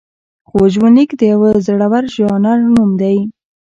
خو ژوندلیک د یوه زړور ژانر نوم دی.